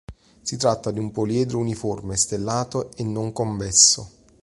Si tratta di un poliedro uniforme, stellato e non convesso.